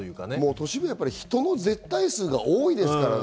都市部は人の絶対数が多いですからね。